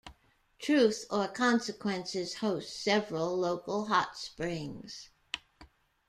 Truth or Consequences hosts several local hot springs.